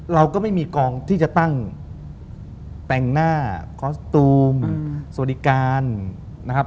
เราก็ไม่มีกองที่จะตั้งแต่หน้าคอสตูมสวัสดิการนะครับ